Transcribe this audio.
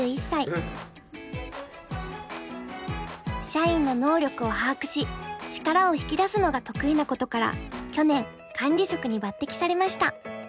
社員の能力を把握し力を引き出すのが得意なことから去年管理職に抜てきされました。